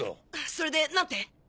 それで何て？